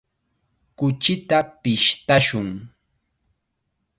Kuchita pishtashun.